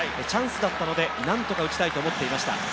チャンスだったので何とか打ちたいと思ってました。